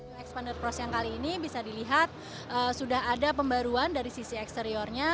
new expander cross yang kali ini bisa dilihat sudah ada pembaruan dari sisi eksteriornya